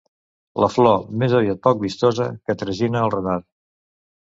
La flor, més aviat poc vistosa, que tragina el renard.